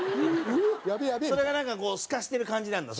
それがなんかこうすかしてる感じなんだ。